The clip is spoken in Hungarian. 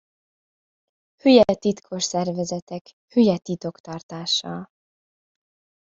Hülye titkos szervezetek, hülye titoktartással.